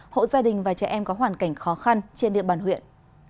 hộ gia đình và trẻ em có hoàn cảnh khó khăn trên địa bàn huyện